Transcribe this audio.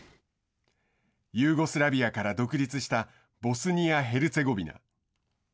ユーゴスラビアから独立したボスニア・ヘルツェゴビナ。